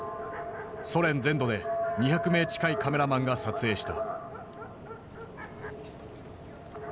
ソ連全土で２００名近いカメラマンが撮影した。